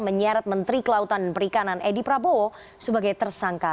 menyeret menteri kelautan dan perikanan edi prabowo sebagai tersangka